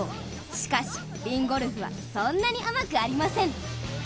しかしＢＩＮＧＯＬＦはそんなに甘くありません。